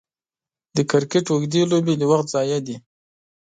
د کرکټ اوږدې لوبې د وخت ضايع دي.